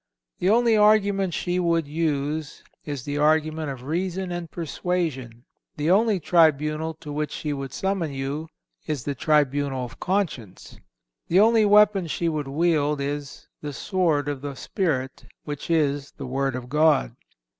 The only argument she would use, is the argument of reason and persuasion; the only tribunal to which she would summon you, is the tribunal of conscience; the only weapon she would wield, is "the Sword of the Spirit, which is the Word of God."